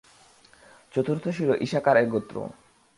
চতুর্থ ছিল ঈশাখার-এর গোত্র।